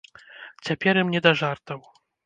Цяпер ім не да жартаў.